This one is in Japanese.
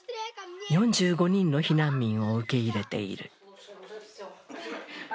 ４５人の避難民を受け入れている。